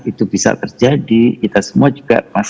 itu bisa terjadi kita semua juga